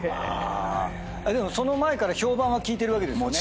でもその前から評判は聞いてるわけですよね。